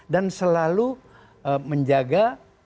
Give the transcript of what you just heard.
dan selalu menjaga